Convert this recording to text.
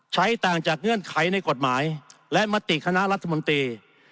ต่างจากเงื่อนไขในกฎหมายและมติคณะรัฐมนตรี